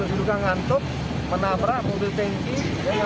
terbuncang ngantuk menabrak mobil tanki yang